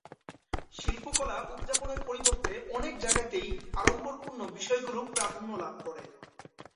শিল্পকলা উদযাপনের পরিবর্তে অনেক জায়গাতেই আড়ম্বরপূর্ণ বিষয়গুলি প্রাধান্য লাভ করে।